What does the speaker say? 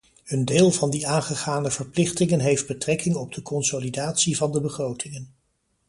Een deel van die aangegane verplichtingen heeft betrekking op de consolidatie van de begrotingen.